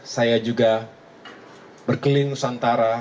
saya juga berkeliling nusantara